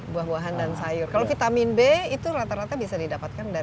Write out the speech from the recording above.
buah buahan dan sayur kalau vitamin b itu rata rata bisa didapatkan dari